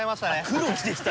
黒着てきた！